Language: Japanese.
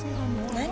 何？